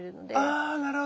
あなるほど。